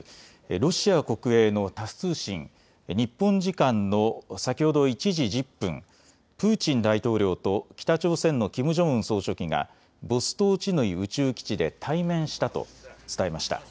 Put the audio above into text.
ロシア国営のタス通信、日本時間の先ほど１時１０分、プーチン大統領と北朝鮮のキム・ジョンウン総書記がボストーチヌイ宇宙基地で対面したと伝えました。